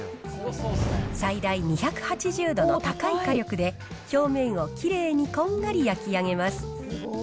最大２８０度の高い火力で、表面をきれいにこんがり焼き上げます。